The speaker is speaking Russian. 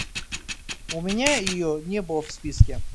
У меня ее не было в списке.